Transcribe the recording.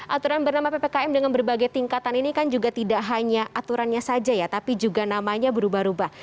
aturan bernama ppkm dengan berbagai tingkatan ini kan juga tidak hanya aturannya saja ya tapi juga namanya berubah ubah